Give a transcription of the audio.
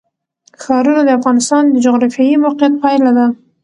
ښارونه د افغانستان د جغرافیایي موقیعت پایله ده.